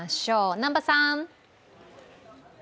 南波さん。